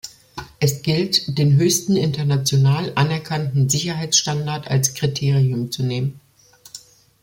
Es gilt, den höchsten international anerkannten Sicherheitsstandard als Kriterium zu nehmen.